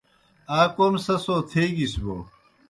آ کوْم سہ سو تھیگِس بوْ